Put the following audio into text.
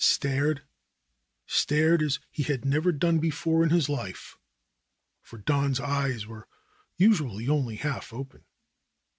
Stared, stared as he had never done before in his life, for Don's eyes were usually only half open.